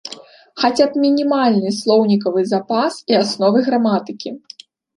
Хаця б мінімальны слоўнікавы запас і асновы граматыкі.